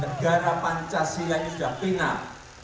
negara pancasila ini sudah final